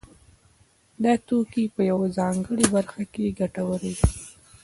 دا توکي په یوه ځانګړې برخه کې ګټور وي